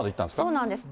そうなんです。